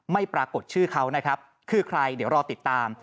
ไม่ปรากฏชื่อเขานะครับคือใครเดี๋ยวรอติดตาม